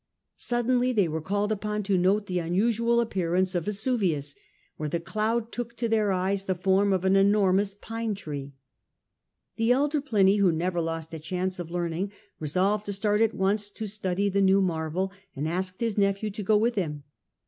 Suddenly they were called upon to note the unusual ap pearance of Vesuvius, where the cloud look to their eyes the form of an enormous pine tree. The elder Pliny, who never lost a chance of learning, resolved to start at once to study the new marvel, and asked his nephew to go with him.